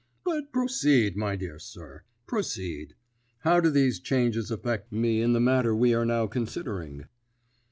"But proceed, my dear sir, proceed. How do these changes affect me in the matter we are now considering?"